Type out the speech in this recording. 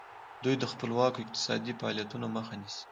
دوی د خپلواکو اقتصادي فعالیتونو مخه نیسي.